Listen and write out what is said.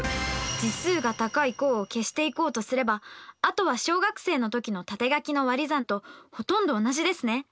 次数が高い項を消していこうとすればあとは小学生のときの縦書きのわり算とほとんど同じですね。